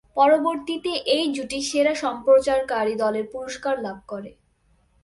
পরবর্তীতে এই জুটি সেরা সম্প্রচারকারী দলের পুরস্কার লাভ করে।